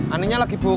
aninya lagi buke